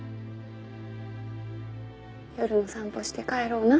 夜の散歩して帰ろうな。